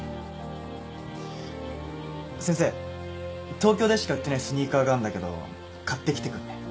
東京でしか売ってないスニーカーがあんだけど買ってきてくんね？